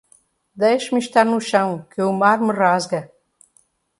Deixe-me estar no chão, que o mar me rasga.